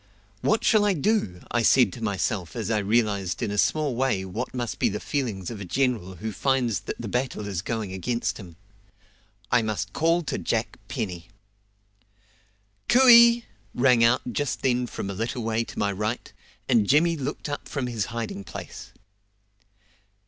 "What shall I do?" I said to myself as I realised in a small way what must be the feelings of a general who finds that the battle is going against him. "I must call to Jack Penny." "Cooey!" rang out just then from a little way to my right, and Jimmy looked up from his hiding place.